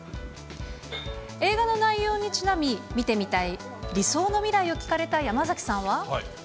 映画の内容にちなみ、見てみたい理想の未来を聞かれた山崎さんは。